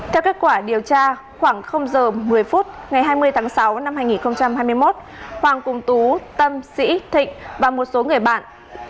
theo kết quả điều tra khoảng giờ một mươi phút ngày hai mươi tháng sáu năm hai nghìn hai mươi một hoàng cùng tú tâm sĩ thịnh và một số người bạn